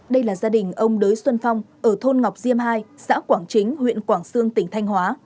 đây là gia đình ông đới xuân phong ở thôn ngọc diêm hai xã quảng chính huyện quảng sương tỉnh thanh hóa